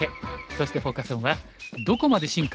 そしてフォーカス・オンは「どこまで進化？